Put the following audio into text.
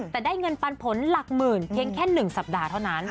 แต่ได้เงินปันผลหลักหมื่นเพียงแค่๑สัปดาห์เท่านั้น